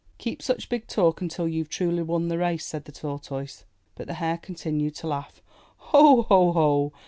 '* "Keep such big talk until you've truly won the race," said the Tortoise. But the Hare continued to laugh: "Ho! Ho! Ho!